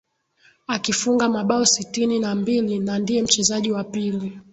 Akifunga mabao sitini na mbili na ndiye mchezaji wa pili